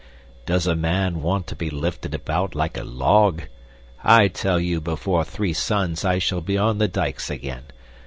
"Does a man want to be lifted about like a log? I tell you before three suns I shall be on the dikes again.